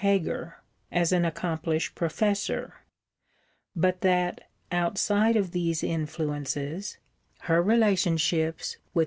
Heger, as an accomplished Professor; but that, outside of these influences, her relationships with M.